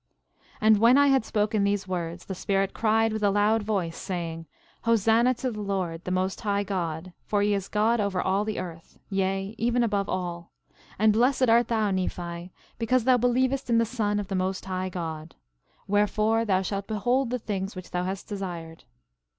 11:6 And when I had spoken these words, the Spirit cried with a loud voice, saying: Hosanna to the Lord, the most high God; for he is God over all the earth, yea, even above all. And blessed art thou, Nephi, because thou believest in the Son of the most high God; wherefore, thou shalt behold the things which thou hast desired.